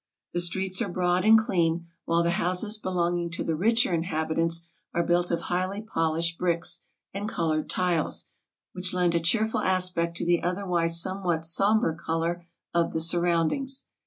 The streets are broad and clean, while the houses ASIA 307 belonging to the richer inhabitants are built of highly pol ished bricks, and colored tiles, which lend a cheerful aspect to the otherwise somewhat somber color of the surroundings.